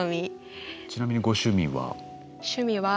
ちなみにご趣味は？